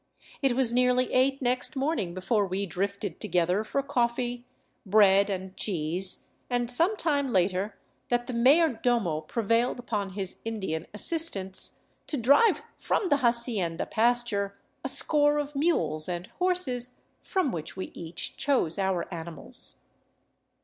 It was nearly eight next morning before we drifted together for coffee, bread, and cheese, and some time later that the mayordomo prevailed upon his Indian assistants to drive from the hacienda pasture a score of mules and horses, from which we each chose our animals.